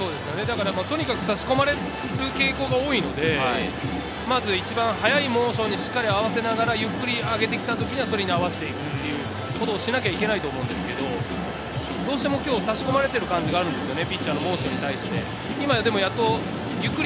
とにかく差し込まれる傾向が多いので、まず一番早いモーションにしっかり合わせながら、ゆっくり上げてきた時にはそれに合わせるということをしなきゃいけないと思うんですけど、どうしても今日差し込まれている感じがあるんですよね。